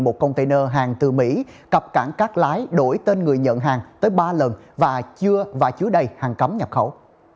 một container hàng từ mỹ cặp cản các lái đổi tên người nhận hàng tới ba lần và chưa và chưa đầy hàng cấm nhập khẩu